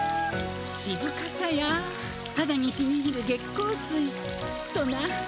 「しずかさやはだにしみいる月光水」とな。